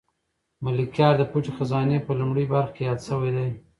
ملکیار د پټې خزانې په لومړۍ برخه کې یاد شوی دی.